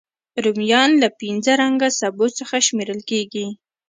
رومیان له پینځه رنګه سبو څخه شمېرل کېږي